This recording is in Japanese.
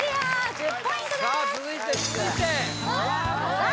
１０ポイントですさあ